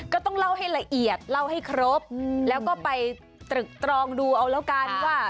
ก็ต้องเล่าให้ละเอียดเล่าให้ครบแล้วก็ไปตรึกตรองดูเอาแล้วกันว่า